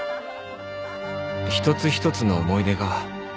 一つ一つの思い出が